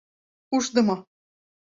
Ушдымо!